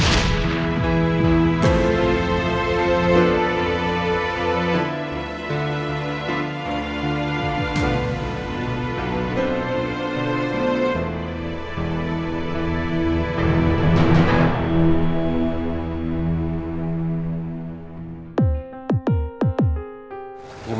kenapa malah diem